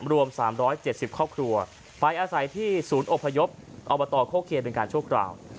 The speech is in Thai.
รวม๓๗๐ครอบครัวไปอาศัยที่ศูนย์อพยพอตโคเคียเป็นการชั่วคราว